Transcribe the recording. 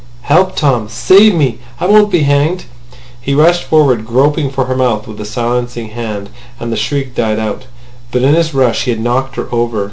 "Help, Tom! Save me. I won't be hanged!" He rushed forward, groping for her mouth with a silencing hand, and the shriek died out. But in his rush he had knocked her over.